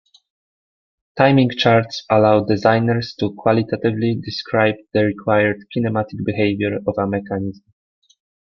Timing charts allow designers to qualitatively describe the required kinematic behavior of a mechanism.